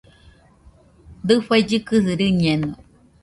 Dafai kɨkɨsi rɨñeno